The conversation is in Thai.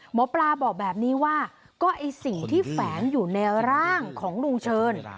หมอปลาบอกแบบนี้ว่าก็ไอ้สิ่งที่แฝงอยู่ในร่างของลุงเชิญ